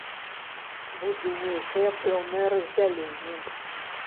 Будзе нейкае пэўнае раздзяленне.